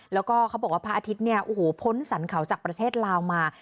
แล้วก็เขาบอกว่าพระอาทิตย์เนี่ยโอ้โหพ้นสรรเขาจากประเทศลาวมา